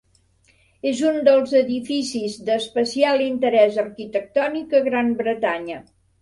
És un dels edificis d'especial interès arquitectònic a Gran Bretanya.